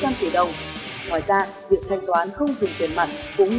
cũng giúp giảm lãng phát